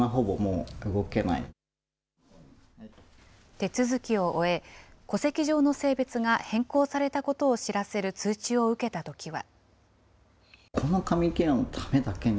手続きを終え、戸籍上の性別が変更されたことを知らせる通知を受けたときは。